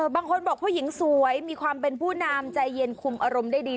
บางคนบอกผู้หญิงสวยมีความเป็นผู้นำใจเย็นคุมอารมณ์ได้ดี